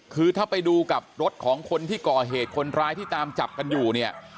คือถ้าไปดูกับรถของคนที่ก่อเหตุคนร้ายที่ตามจับกันอยู่เนี่ย